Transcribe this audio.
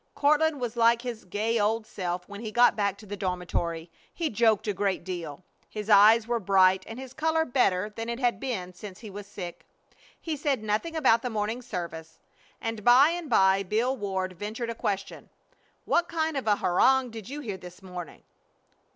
Courtland was like his gay old self when he got back to the dormitory. He joked a great deal. His eyes were bright and his color better than it had been since he was sick. He said nothing about the morning service, and by and by Bill Ward ventured a question: "What kind of a harangue did you hear this morning?"